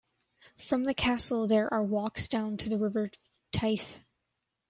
From the castle there are walks down to the River Teifi.